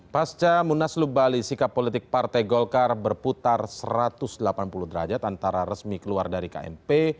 pasca munaslu bali sikap politik partai golkar berputar satu ratus delapan puluh derajat antara resmi keluar dari kmp